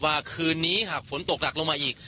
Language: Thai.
คืนนี้หากฝนตกหนักลงมาอีก